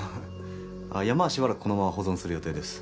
山はしばらくこのまま保存する予定です。